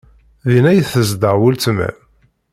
Din ay tezdeɣ weltma-m?